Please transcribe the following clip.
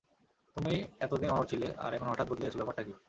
তুমি এতদিন অনড় ছিলে আর এখন হঠাৎ বদলে গেছ, ব্যাপারটা কী?